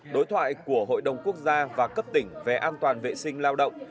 đối thoại của hội đồng quốc gia và cấp tỉnh về an toàn vệ sinh lao động